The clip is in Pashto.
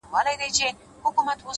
• دا شی په گلونو کي راونغاړه،